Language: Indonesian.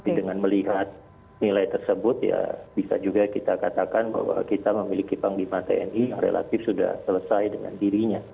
jadi dengan melihat nilai tersebut ya bisa juga kita katakan bahwa kita memiliki panglima tni yang relatif sudah selesai dengan dirinya